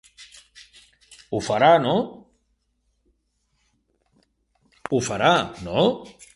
Ho farà, no?